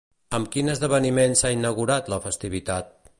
Amb quin esdeveniment s'ha inaugurat la festivitat?